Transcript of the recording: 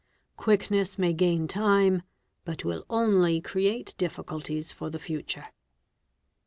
Quickness may gain time but will only create difficulties for the future.